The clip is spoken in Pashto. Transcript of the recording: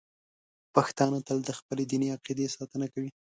پښتانه تل د خپلې دیني عقیدې ساتنه کوي.